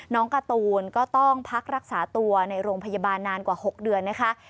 การ์ตูนก็ต้องพักรักษาตัวในโรงพยาบาลนานกว่า๖เดือนนะคะ